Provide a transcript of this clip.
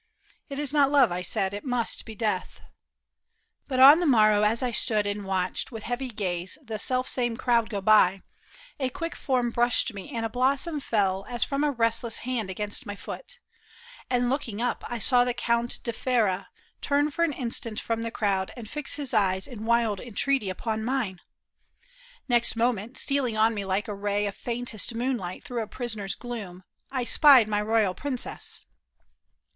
" It is not love," I said, " it must be death." But on the morrow as I stood and watched With heavy gaze the self same crowd go by, A quick form brushed me and a blossom fell As from a restless hand against my foot, And looking up, I saw the Count di Ferra Turn for an instant from the crowd and fix Q4 CONFESSION OF THE KING'S MUSKETEER. His eyes in wild entreaty upon mine. Next moment, stealing on me like a ray Of faintest moonlight through a prison's gloom, I spied my royal princess.